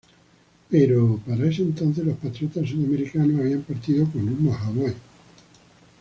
Pero para ese entonces los patriotas sudamericanos habían partido con rumbo a Hawái.